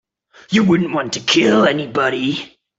You wouldn't want to kill anybody.